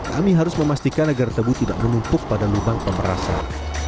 kami harus memastikan agar tebu tidak menumpuk pada lubang pemerasan